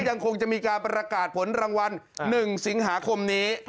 ยังคงจะมีการประกาศผลรางวัล๑สิงหาคมนี้